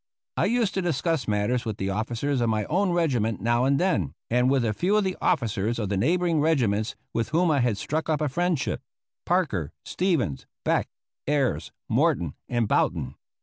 I used to discuss matters with the officers of my own regiment now and then, and with a few of the officers of the neighboring regiments with whom I had struck up a friendship Parker, Stevens, Beck, Ayres, Morton, and Boughton.